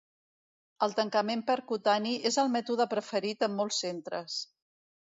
El tancament percutani és el mètode preferit en molts centres.